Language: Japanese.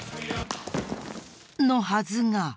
のはずが。